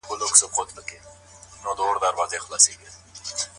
هغه منظم خوب کوي.